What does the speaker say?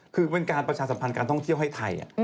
คือเป็นการประชาสัมพันธ์การท่องเที่ยวให้ไทย